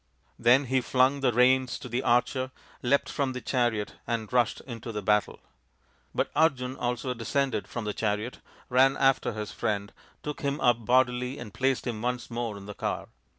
Then he flung the reins to the archer, leapt from the chariot, and rushed into the battle. But Arjun also descended from the chariot, ran after his friend, took him up bodily and placed him once more in the car.